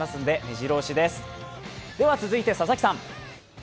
では続いて佐々木さん。